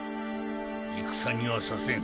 戦にはさせん。